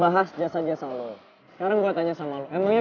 kayaknya akhirnya ga ada facebook